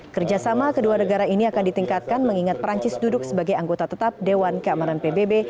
kerjasama kedua negara ini akan ditingkatkan mengingat perancis duduk sebagai anggota tetap dewan keamanan pbb